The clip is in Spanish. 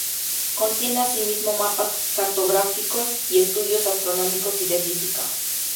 Contiene asimismo mapas cartográficos y estudios astronómicos y de física.